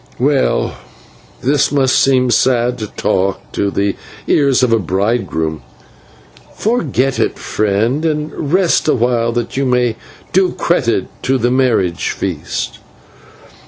Well, this must seem sad talk to the ears of a bridegroom. Forget it, friend, and rest awhile that you may do credit to the marriage feast."